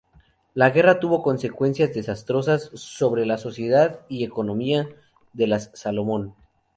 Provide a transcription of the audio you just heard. La Guerra tuvo consecuencias desastrosas sobre la sociedad y economía de las Salomón.